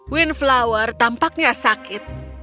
windflower tampaknya sakit